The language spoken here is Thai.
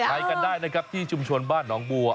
ไปกันได้นะครับที่ชุมชนบ้านหนองบัว